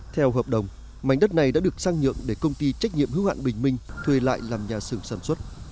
theo hợp đồng mảnh đất này đã được sang nhượng để công ty trách nhiệm hữu hạn bình minh thuê lại làm nhà xưởng sản xuất